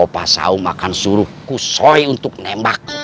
pak saum akan suruh kusoy untuk nembak